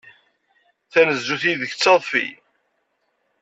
Tanezzut yid-k d taḍfi.